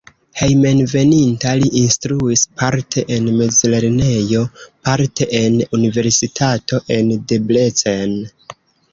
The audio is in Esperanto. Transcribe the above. Hejmenveninta li instruis parte en mezlernejo, parte en universitato en Debrecen.